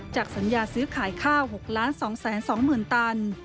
จากสัญญาซื้อขายข้าว๖ล้าน๒แสน๒หมื่นตัน